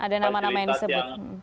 ada nama nama yang disebut